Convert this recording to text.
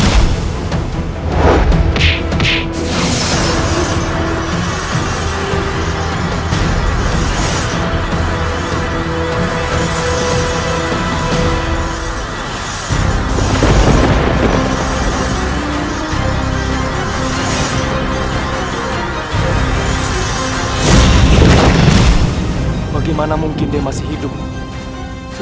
aku tidak memerintahmu untuk berdiri